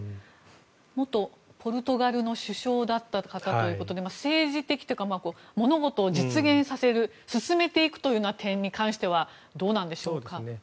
元ポルトガルの首相だった方ということで政治的というか物事を実現させる進めていくという点に関してはどうなんでしょうか。